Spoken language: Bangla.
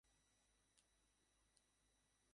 দেখি তিনি দয়া করিয়া কি করিতে পারেন!